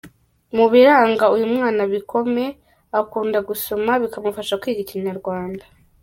Mu biranga uyu mwana bikome, akunda gusoma bikamufasha kwiga Ikinyarwanda.